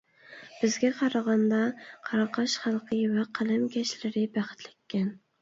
بىزگە قارىغاندا قاراقاش خەلقى ۋە قەلەمكەشلىرى بەختلىككەن.